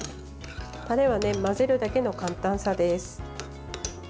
タレは混ぜるだけの簡単さです。